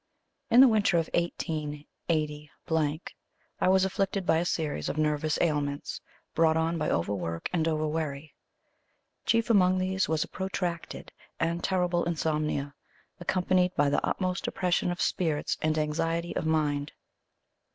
In the winter of 188 , I was afflicted by a series of nervous ailments, brought on by overwork and overworry. Chief among these was a protracted and terrible insomnia, accompanied by the utmost depression of spirits and anxiety of mind.